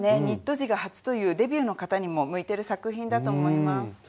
ニット地が初というデビューの方にも向いてる作品だと思います。